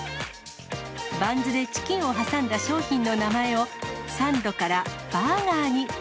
バンズでチキンを挟んだ商品の名前を、サンドからバーガーに。